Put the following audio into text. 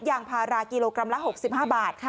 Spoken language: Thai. อย่างภาระกิโลกรัมละ๖๕บาท